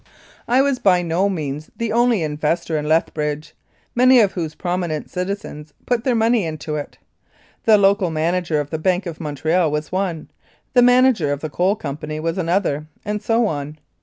I was by no means the only investor in Lethbridge, many of whose prominent citizens put their money into it. The local manager of the Bank of Montreal was one, the manager of the Coal Company was another, and so on.